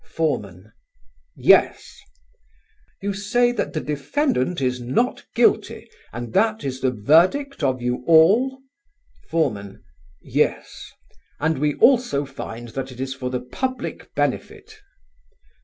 Foreman: "Yes." "You say that the defendant is 'not guilty,' and that is the verdict of you all?" Foreman: "Yes, and we also find that it is for the public benefit."